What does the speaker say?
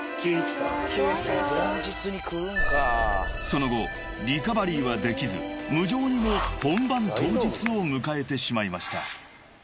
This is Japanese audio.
［その後リカバリーはできず無情にも本番当日を迎えてしまいました］